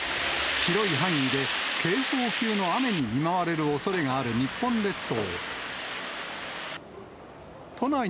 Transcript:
広い範囲で警報級の雨に見舞われるおそれがある日本列島。